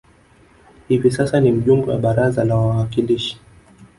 Hivi sasa ni mjumbe wa baraza la wawakilishi